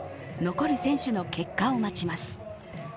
残る選手の結果を待ちます。